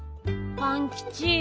パンキチ。